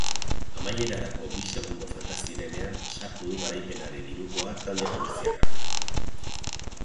Amaierarako bi segundo falta zirenean sartu du garaipenaren hirukoa talde galiziarrak.